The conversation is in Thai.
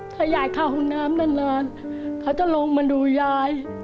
ถ้ายายเข้าห้องน้ำนานเขาจะลงมาดูยาย